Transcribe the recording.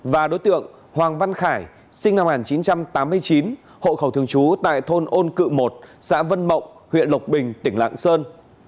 và đối tượng hoàng văn khải sinh năm một nghìn chín trăm tám mươi chín hộ khẩu thường trú tại thôn ôn cự một xã vân mộng huyện lộc bình tỉnh lạng sơn